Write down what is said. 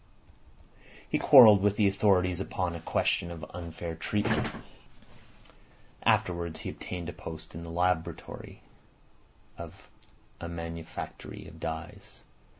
He quarrelled with the authorities upon a question of unfair treatment. Afterwards he obtained a post in the laboratory of a manufactory of dyes.